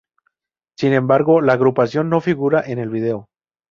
Sin embargo, la agrupación no figura en el vídeo.